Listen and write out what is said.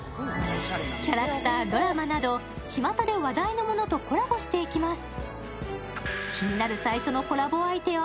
キャラクター、ドラマなど、ちまたで話題のもとコラボしていきます。